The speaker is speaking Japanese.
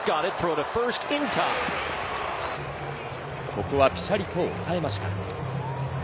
ここはピシャリと抑えました。